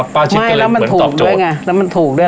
ปลาชิดกะเลเหมือนตอบโจทย์ไม่แล้วมันถูกด้วยไงแล้วมันถูกด้วย